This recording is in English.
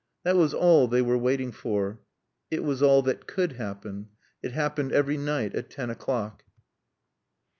That was all they were waiting for. It was all that could happen. It happened every night at ten o'clock.